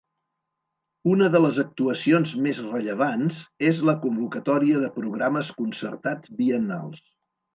Una de les actuacions més rellevants és la convocatòria de programes concertats biennals.